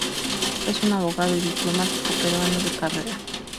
Es un abogado y diplomático peruano de carrera.